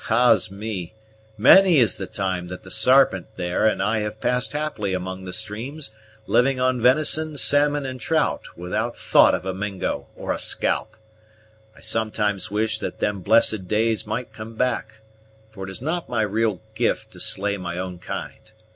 Ah's me! many is the day that the Sarpent, there, and I have passed happily among the streams, living on venison, salmon, and trout without thought of a Mingo or a scalp! I sometimes wish that them blessed days might come back, for it is not my real gift to slay my own kind.